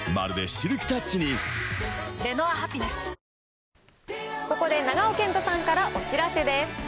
なので、ここで長尾謙杜さんからお知らせです。